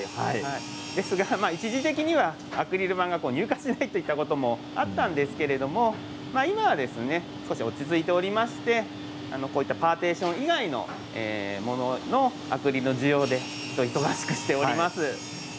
ですが一時的にはアクリル板で入荷しずらいということもあったんですけれど今は少し落ち着いておりましてこういったパーティション以外のもののアクリル需要で忙しくしています。